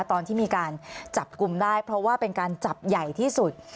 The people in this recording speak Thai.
ตอนที่มีการจับกลุ่มได้เพราะว่าเป็นการจับใหญ่ที่สุด